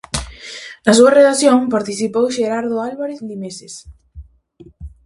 Na súa redacción participou Xerardo Álvarez Limeses.